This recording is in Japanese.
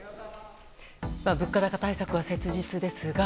物価高対策は切実ですが。